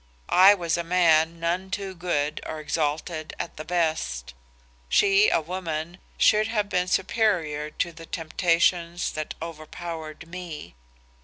I was a man none too good or exalted at the best; she, a woman, should have been superior to the temptations that overpowered me.